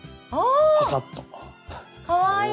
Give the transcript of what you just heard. かわいい！